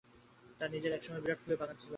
তাঁর নিজের এক সময় বিরাট ফুলের বাগান ছিল।